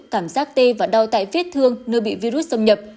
cảm giác tê và đau tại vết thương nơi bị virus xâm nhập